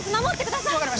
守ってください。